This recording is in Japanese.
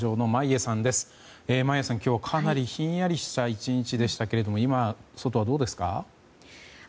眞家さん、今日はかなりひんやりした１日でしたけども今、外はどうですか？